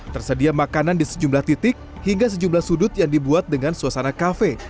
tersedia makanan di sejumlah titik hingga sejumlah sudut yang dibuat dengan suasana kafe